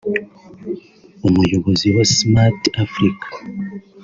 umuyobozi wa ‘Smart Africa’